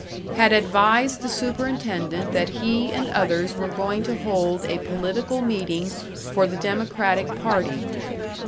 Had advised the superintendent that he and others were going to hold a political meeting for the Democratic party.